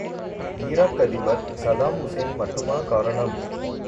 Iraq அதிபர் Saddam Hussein மட்டுமா காரணம்?